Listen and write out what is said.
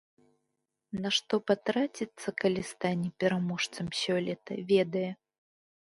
На што патраціцца, калі стане пераможцам сёлета, ведае.